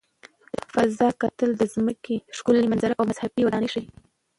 له فضا کتل د ځمکې ښکلي منظره او مذهبي ودانۍ ښيي.